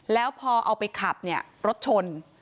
แล้วพอเอาไปขับเนี่ยรถชน